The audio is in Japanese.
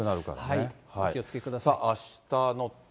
お気をつけください。